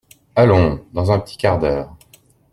Allons ! dans un petit quart d’heure…